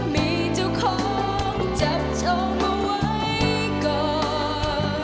มีเจ้าของจับเธอมาไว้ก่อน